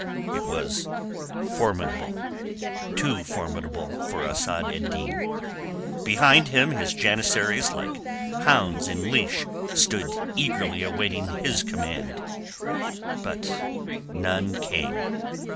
It was formidable. Too formidable for Asad ed Din. Behind him his janissaries like hounds in leash stood eagerly awaiting his command. But none came.